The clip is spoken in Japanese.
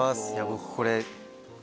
僕これ。